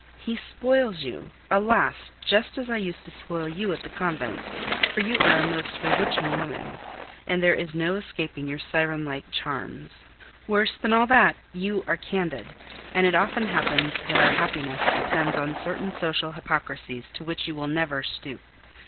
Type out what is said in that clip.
He spoils you, alas! just as I used to spoil you at the convent, for you are a most bewitching woman, and there is no escaping your siren like charms. Worse than all, you are candid, and it often happens that our happiness depends on certain social hypocrisies to which you will never stoop.